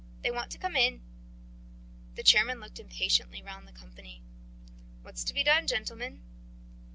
They want to come in." The chairman looked impatiently round the company. "What is to be done, gentlemen?"